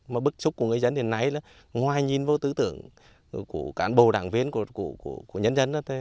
mà bức xúc của người dân hiện nay là ngoài nhìn vô tư tưởng của cán bộ đảng viên của nhân dân